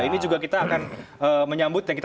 ini juga kita akan menyambut yang kita